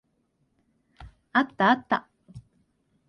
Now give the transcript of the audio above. あったあった。